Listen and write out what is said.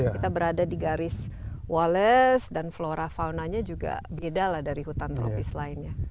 kita berada di garis wallace dan flora faunanya juga beda lah dari hutan tropis lainnya